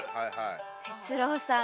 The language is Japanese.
哲朗さん